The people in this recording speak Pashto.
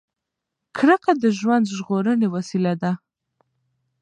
کرکه د ژوند ژغورنې وسیله ده.